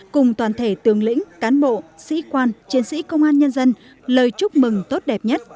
cùng toàn thể tường lĩnh cán bộ sĩ quan chiến sĩ công an nhân dân lời chúc mừng tốt đẹp nhất